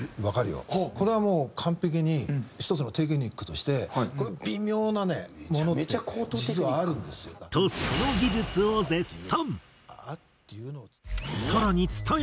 これはもう完璧に１つのテクニックとしてこの微妙なものって実はあるんですよ。とその技術を絶賛！